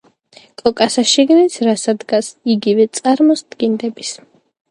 კოკასა შიგან რაცა დგას, იგივე წარმოსდინდების!